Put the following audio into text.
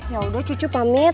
yaudah cuci pamit